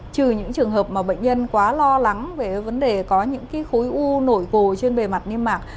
trừ những trường hợp mà bệnh nhân quá lo lắng về vấn đề có những khối u nổi gồ trên bề mặt niêm mạc